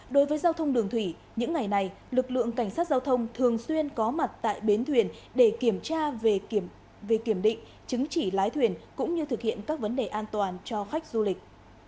đối với giao thông đường thủy những ngày này lực lượng cảnh sát giao thông thường xuyên có mặt tại bến thuyền để kiểm tra về kiểm định chứng chỉ lái thuyền cũng như thực hiện các vấn đề an toàn cho khách du lịch